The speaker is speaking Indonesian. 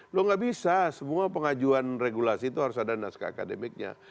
loh nggak bisa semua pengajuan regulasi itu harus ada naskah akademiknya